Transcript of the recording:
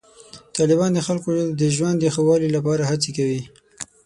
طالبان د خلکو د ژوند د ښه والي لپاره هڅې کوي.